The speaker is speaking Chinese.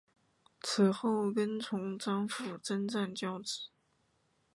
此后跟从张辅征战交址。